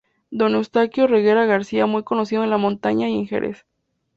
Don Eustaquio Reguera García, muy conocido en la Montaña y en Jerez.